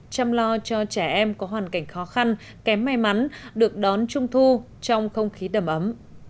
chăm lo cho trẻ em có hoàn cảnh khó khăn kém may mắn được đón trung thu trong không khí đầm ấm